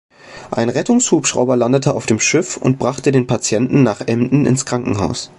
Ein Rettungshubschrauber landete auf dem Schiff und brachte den Patienten nach Emden ins Krankenhaus.